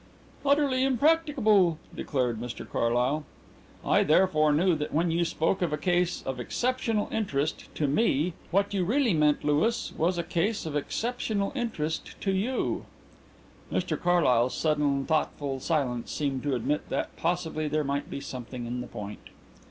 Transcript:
"Utterly impracticable," declared Mr Carlyle. "I therefore knew that when you spoke of a case of exceptional interest to me, what you really meant, Louis, was a case of exceptional interest to you." Mr Carlyle's sudden thoughtful silence seemed to admit that possibly there might be something in the point.